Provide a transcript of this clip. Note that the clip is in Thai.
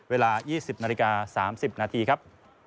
เวลา๒๐นาฬิกา๓๐นาทีครับ